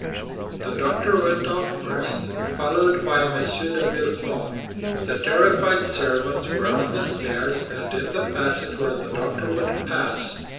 The doctor went out first, followed by M. de Villefort. The terrified servants were on the stairs and in the passage where the doctor would pass.